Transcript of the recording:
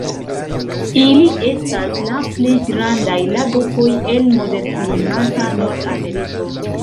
Ili estas la plej grandaj lagopoj el moderklimata Nordameriko.